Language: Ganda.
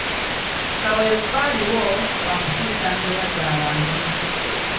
Kaweefube aliwo wa kukyusa mbeera za bantu.